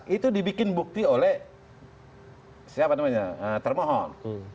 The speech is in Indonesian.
itu dibikin bukti oleh termohon